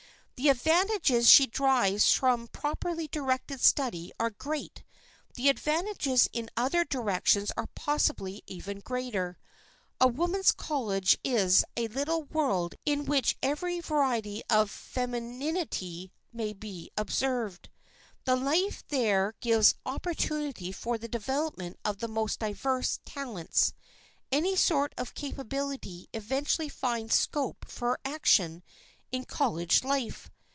The advantages she derives from properly directed study are great; the advantages in other directions are possibly even greater. A women's college is a little world in which every variety of femininity may be observed. The life there gives opportunity for the development of the most diverse talents. Any sort of capability eventually finds scope for action in college life.